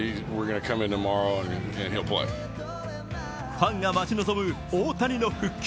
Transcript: ファンが待ち望む大谷の復帰。